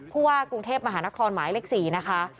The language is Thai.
ผู้ว่ากรุงเทพมหานครหมายเลข๔นะคะ